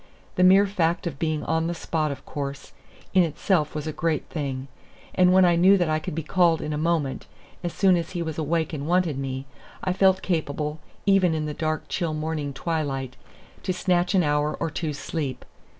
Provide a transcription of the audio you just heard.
The mere fact of being on the spot, of course, in itself was a great thing; and when I knew that I could be called in a moment, as soon as he was awake and wanted me, I felt capable, even in the dark, chill morning twilight, to snatch an hour or two's sleep.